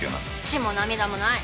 血も涙もない！